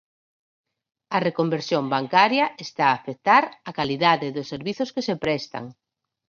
A reconversión bancaria está a afectar á calidade dos servizos que se prestan.